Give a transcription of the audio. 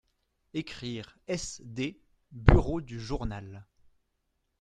Ecrire SD bureau du journal.